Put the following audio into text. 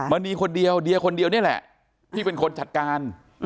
นีคนเดียวเดียคนเดียวนี่แหละที่เป็นคนจัดการ